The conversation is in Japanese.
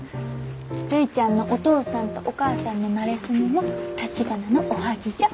るいちゃんのお父さんとお母さんのなれそめもたちばなのおはぎじゃ。